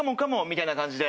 みたいな感じで。